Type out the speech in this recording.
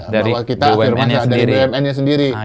dari bumn nya sendiri